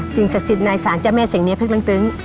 สิ่งศักดิ์สิทธิ์ในสารเจ้าแม่เสียงเมียเพศรังตึง